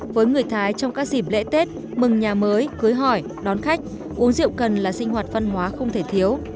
với người thái trong các dịp lễ tết mừng nhà mới cưới hỏi đón khách uống rượu cần là sinh hoạt văn hóa không thể thiếu